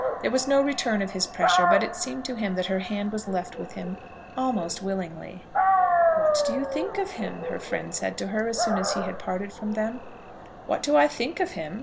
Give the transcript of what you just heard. There was no return of his pressure, but it seemed to him that her hand was left with him almost willingly. "What do you think of him?" her friend said to her, as soon as he had parted from them. "What do I think of him?